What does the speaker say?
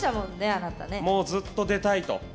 もうずっと出たいと。